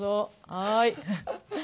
はい。